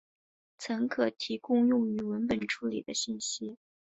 但可提供用于文本处理的信息。